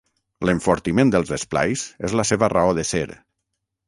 L'enfortiment dels esplais és la seva raó de ser.